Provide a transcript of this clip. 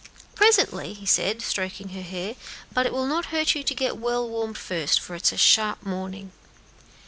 "Presently," he said, stroking her hair; "but it will not hurt you to get well warmed first, for it is a sharp morning."